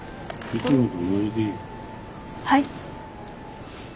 はい？